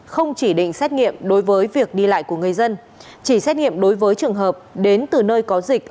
không chỉ định xét nghiệm đối với việc đi lại của người dân chỉ xét nghiệm đối với trường hợp đến từ nơi có dịch